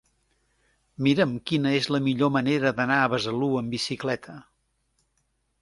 Mira'm quina és la millor manera d'anar a Besalú amb bicicleta.